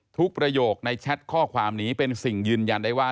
ประโยคในแชทข้อความนี้เป็นสิ่งยืนยันได้ว่า